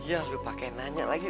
ya udah pakai nanya lagi